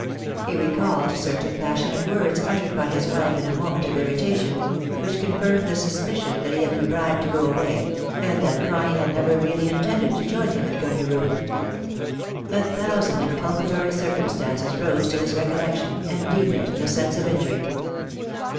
He recalled certain passionate words uttered by his wife in a moment of irritation, which con firmed the suspicion that he had been bribed to go away, and that Connie had never really intended to join him at <}undaroo. A thousand inculpatory circumstances rose to his recollection and deepened the sense of injury.